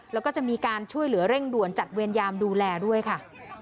แล้วก็จะมีการช่วยเหลือเร่งด่วนจัดเวรยามดูแลด้วยค่ะ